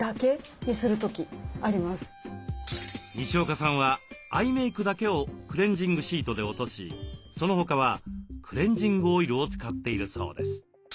にしおかさんはアイメークだけをクレンジングシートで落としその他はクレンジングオイルを使っているそうです。